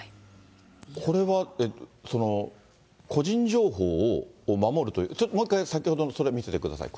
これは、個人情報を守るという、もう一回、先ほどのそれ、見せてください。